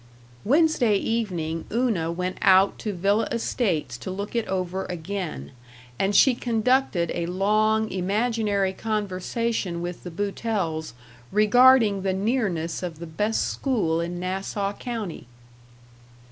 Wednesday evening Una went out to Villa Estates to look it over again, and she conducted a long, imaginary conversation with the Boutells regarding the nearness of the best school in Nassau County.